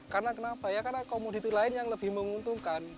karena kenapa ya karena komoditi lain yang lebih menguntungkan